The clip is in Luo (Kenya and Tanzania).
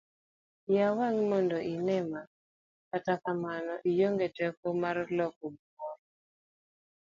yaw wang'i mondo ine ma, kata kamano ionge teko marlokogimoro